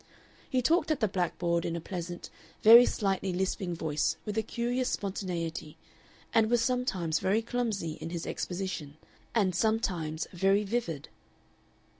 He talked at the blackboard in a pleasant, very slightly lisping voice with a curious spontaneity, and was sometimes very clumsy in his exposition, and sometimes very vivid.